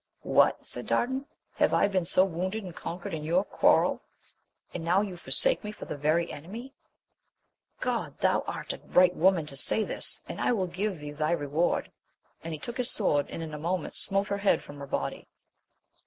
What ! said Dardan, have I been so wounded and conqueie^Lm^oivxx c^^Yt^\^\A\i<^^ ^aa AMADIS OF GAUL. 91 forsake me for the very enemy ! God ! thou art a right woman to say this, and I will give thee thy re ward ! and he took his sword, and in a moment smote her head from her body.